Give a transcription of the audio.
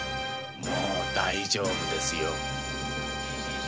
もう大丈夫ですよ。